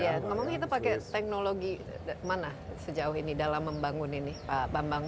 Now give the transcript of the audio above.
iya ngomongnya kita pakai teknologi mana sejauh ini dalam membangun ini pak bambang